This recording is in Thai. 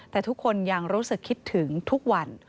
แต่ทุกคนยังรู้สึกคิดถึงทุกวัน